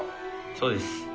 そうです。